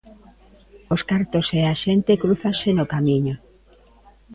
Os cartos e a xente crúzanse no camiño.